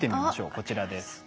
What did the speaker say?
こちらです。